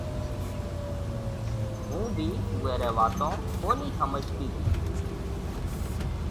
هُون بي اويري واتون ڪونَي سمجهتي تي